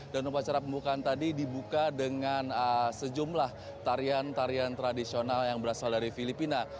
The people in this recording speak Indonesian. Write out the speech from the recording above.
dan upacara pembukaan tadi dibuka dengan sejumlah tarian tarian tradisional yang berasal dari filipina